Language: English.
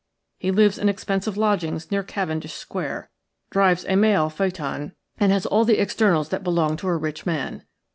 He lives in expensive lodgings near Cavendish Square, drives a mail phaeton, and has all the externals that belong to a rich man.